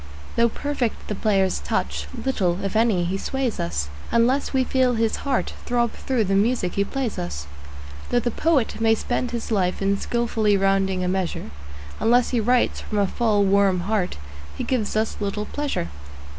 Though perfect the player's touch, little, if any, he sways us, Unless we feel his heart throb through the music he plays us. Though the poet may spend his life in skilfully rounding a measure, Unless he writes from a full, warm heart he gives us little pleasure.